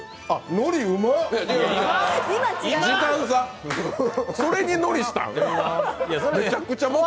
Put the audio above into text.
のり、うまっ！